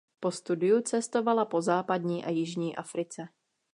Po studiu cestovala po západní a jižní Africe.